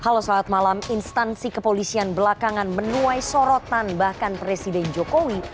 halo selamat malam instansi kepolisian belakangan menuai sorotan bahkan presiden jokowi